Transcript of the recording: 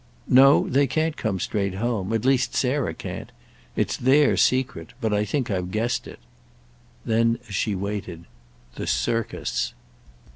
"No, they can't come straight home—at least Sarah can't. It's their secret, but I think I've guessed it." Then as she waited: "The circus."